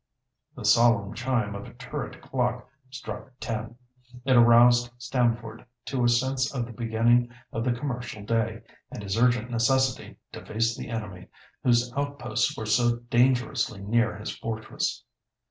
The solemn chime of a turret clock struck ten. It aroused Stamford to a sense of the beginning of the commercial day, and his urgent necessity to face the enemy, whose outposts were so dangerously near his fortress.